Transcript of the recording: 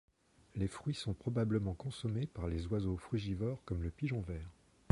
Les fruits sont probablement consommés par les oiseaux frugivores comme le pigeon vert.